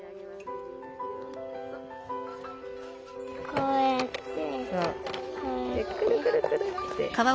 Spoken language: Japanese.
こうやってこうやって。でくるくるくるって。